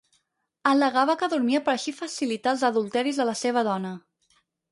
Al·legava que dormia per així facilitar els adulteris de la seva dona.